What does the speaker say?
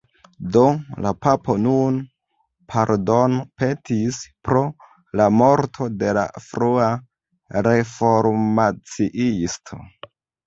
Do, la papo nun pardonpetis pro la morto de la frua reformaciisto.